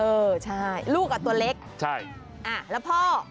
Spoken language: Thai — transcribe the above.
เออใช่ลูก้ะตัวเล็กช่ายแล้วพ่อ